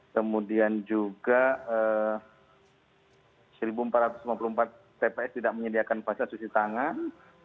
kemudian juga seribu empat ratus lima puluh empat tps tidak menyediakan fasilitas cuci tangan